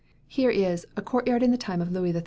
Here is "a courtyard of the time of Louis XIII.